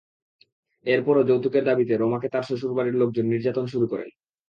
এরপরও যৌতুকের দাবিতে রমাকে তাঁর শ্বশুর বাড়ির লোকজন নির্যাতন শুরু করেন।